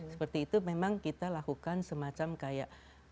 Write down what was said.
seperti itu memang kita lakukan semacam kayak